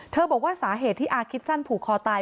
บอกว่าสาเหตุที่อาคิดสั้นผูกคอตาย